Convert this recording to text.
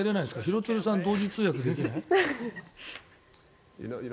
廣津留さん、同時通訳できない？